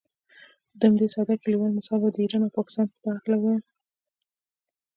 د همدې ساده کلیوال مثال به د ایران او پاکستان په هکله ووایم.